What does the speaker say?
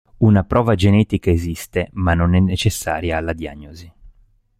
Una prova genetica esiste ma non è necessaria alla diagnosi.